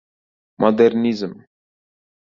— Modernizm!